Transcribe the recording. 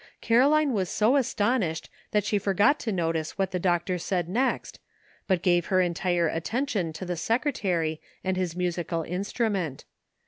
Caroline was so astonished that she forgot to notice what the doctor said next, but gave her entire attention to the secretary and his musical instrument.